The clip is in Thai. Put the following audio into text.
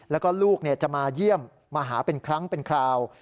แล้วก็ลูกจะมาเยี่ยมมาหาเป็นครั้งเป็นคราว